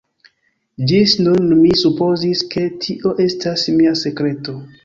Ĝis nun mi supozis ke tio estas mia sekreto.